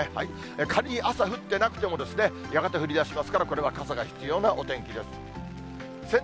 仮に朝降ってなくても、やがて降りだしますから、これは傘が必要なお天気です。